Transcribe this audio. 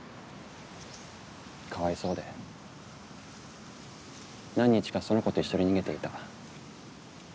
かわいそうで何日かその子と一緒に逃げていた。